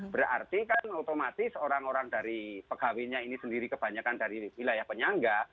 berarti kan otomatis orang orang dari pegawainya ini sendiri kebanyakan dari wilayah penyangga